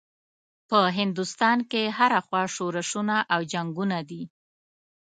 په هندوستان کې هره خوا شورشونه او جنګونه دي.